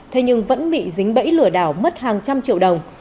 thế nhưng vẫn bị dính bẫy lừa đảo mất hàng trăm triệu đồng